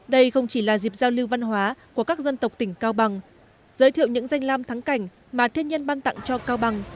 đây không chỉ là dịp giao lưu văn hóa của các dân tộc tỉnh cao bằng giới thiệu những danh lam thắng cảnh mà thiên nhân ban tặng cho cao bằng